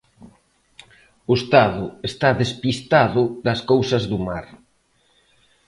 O Estado está despistado das cousas do mar.